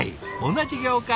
同じ業界。